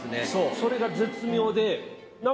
それが絶妙で。